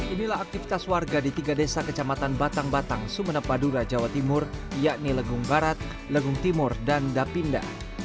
inilah aktivitas warga di tiga desa kecamatan batang batang sumeneb madura jawa timur yakni legung barat legung timur dan dapinda